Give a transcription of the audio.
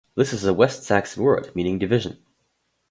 This is a West Saxon word meaning "division".